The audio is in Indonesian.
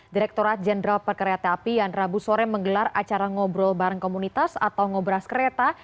direkturat jenderal perkereta apian rabu sore menggelar acara ngobrol bareng komunitas atau ngobras kereta